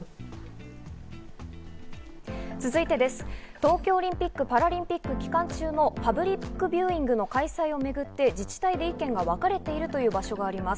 東京オリンピック・パラリンピック期間中のパブリックビューイングの開催をめぐって、自治体で意見がわかれているという場所があります。